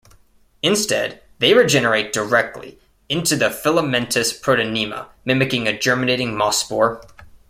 Instead, they regenerate directly into the filamentous protonema, mimicking a germinating moss spore.